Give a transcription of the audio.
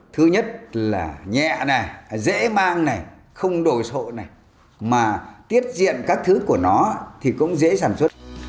thứ nhất là nhẹ này dễ mang này không đồ sộ này mà tiết diện các thứ của nó thì cũng dễ sản xuất